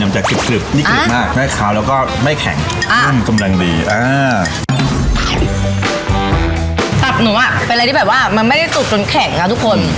ตับหนูอ่ะเป็นอะไรที่แบบว่ามันไม่ได้ตุกจนแข็งค่ะทุกคน